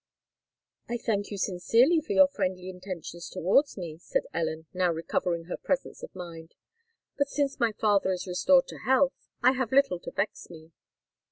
"I thank you sincerely for your friendly intentions towards me," said Ellen, now recovering her presence of mind; "but, since my father is restored to health, I have little to vex me."